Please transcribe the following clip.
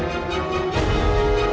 tante itu sudah berubah